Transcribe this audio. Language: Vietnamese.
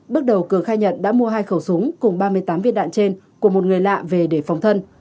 bước đầu cường khai nhận đã mua hai khẩu súng cùng ba mươi tám viên đạn trên của một người lạ về để phòng thân